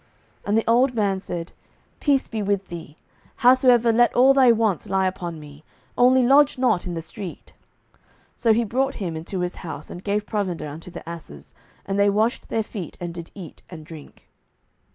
07:019:020 And the old man said, Peace be with thee; howsoever let all thy wants lie upon me; only lodge not in the street. 07:019:021 So he brought him into his house, and gave provender unto the asses: and they washed their feet, and did eat and drink.